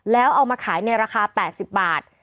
แล้วเอามาขายในราคา๘๐บาท